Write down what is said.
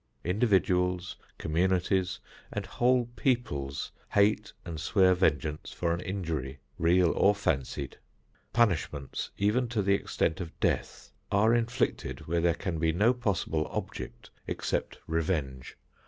Individuals, communities and whole peoples hate and swear vengeance for an injury, real or fancied. Punishments, even to the extent of death, are inflicted where there can be no possible object except revenge.